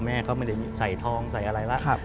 แม่ก็ไม่ได้ใส่ทองใส่อะไรแล้ว